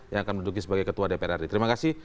yang akan menduduki sebagai ketua dpr ri terima kasih